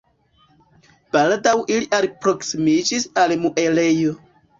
Baldaŭ ili alproksimiĝis al muelejo.